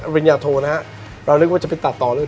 ริญญาโทนะฮะเรานึกว่าจะไปตัดต่อเลย